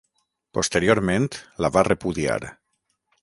Posteriorment la va repudiar.